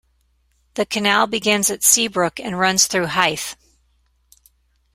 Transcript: The canal begins at Seabrook and runs through Hythe.